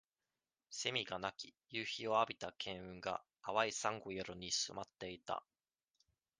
セミが鳴き、夕日をあびた絹雲が、淡いさんご色に染まっていた。